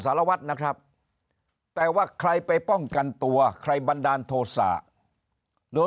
สารวัตรนะครับแต่ว่าใครไปป้องกันตัวใครบันดาลโทษะหรือ